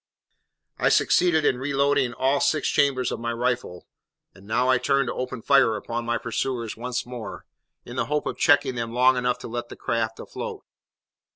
I had succeeded in reloading all six chambers of my rifle, and I now turned to open fire upon my pursuers once more, in the hope of checking them long enough to let the craft afloat.